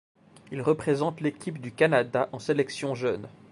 Il représente l'équipe du Canada en sélections jeunes.